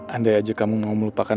andai aja kamu mau melupakan